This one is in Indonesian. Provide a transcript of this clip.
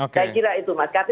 saya kira itu mas